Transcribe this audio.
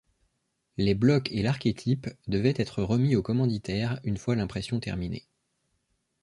Les blocs et l’archétype devaient être remis aux commanditaires une fois l'impression terminée.